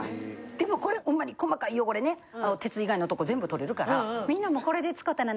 でもこれほんまに細かい汚れね鉄以外のとこ全部取れるから。